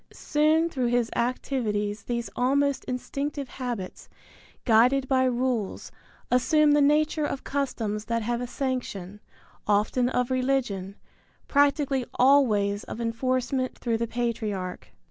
Soon through his activities these almost instinctive habits, guided by rules, assume the nature of customs that have a sanction, often of religion, practically always of enforcement through the patriarch.